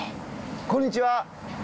こんにちは。